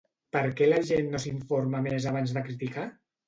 Perquè la gent no s'informa més abans de criticar?